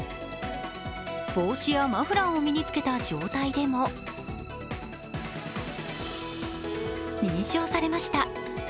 帽子やマフラーを身に着けた状態でも認証されました。